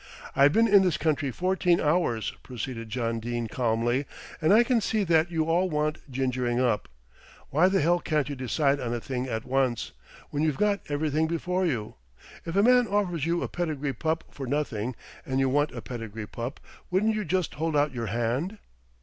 "I've been in this country fourteen hours," proceeded John Dene calmly, "and I can see that you all want gingering up. Why the hell can't you decide on a thing at once, when you've got everything before you? If a man offers you a pedigree pup for nothing, and you want a pedigree pup, wouldn't you just hold out your hand?"